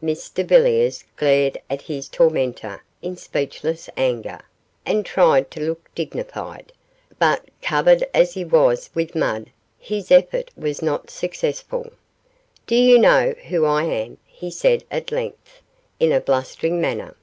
Mr Villiers glared at his tormentor in speechless anger, and tried to look dignified, but, covered as he was with mud, his effort was not successful. 'Do you know who I am?' he said at length, in a blustering manner.